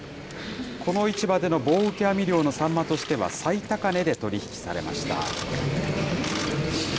この市場での棒受け網漁のサンマとしては最高値で取り引きされました。